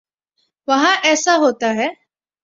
وہاں ایسا ہوتا ہے۔